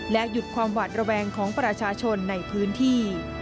หยุดความหวาดระแวงของประชาชนในพื้นที่